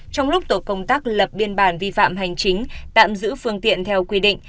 trong lúc tổ công tác lập biên bản vi phạm hành chính tạm giữ phương tiện theo quy định